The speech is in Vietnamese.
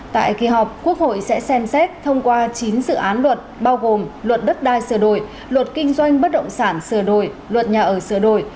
tại kỳ họp quốc hội sẽ xem xét thông qua chín dự án luật bao gồm luật đất đai sửa đổi luật kinh doanh bất động sản sửa đổi luật nhà ở sửa đổi